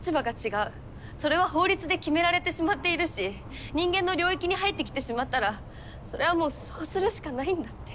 それは法律で決められてしまっているし人間の領域に入ってきてしまったらそれはもうそうするしかないんだって。